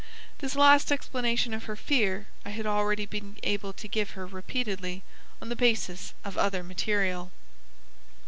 This last explanation of her fear I had already been able to give her repeatedly on the basis of other material.